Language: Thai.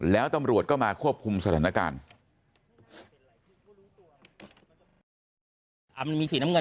แล้วตำรวจก็มาควบคุมสถานการณ์